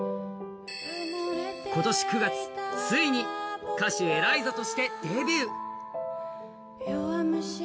今年９月、ついに歌手ＥＬＡＩＺＡとしてデビュー。